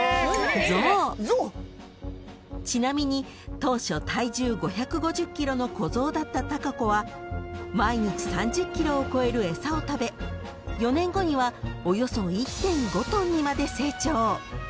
［ちなみに当初体重５５０ｋｇの子象だった子は毎日３０ｋｇを超える餌を食べ４年後にはおよそ１．５ｔにまで成長］